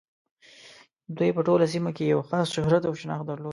دوی په ټوله سیمه کې یې خاص شهرت او شناخت درلود.